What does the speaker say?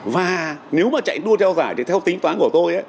và nếu mà chạy đua theo giải thì theo tính toán của tôi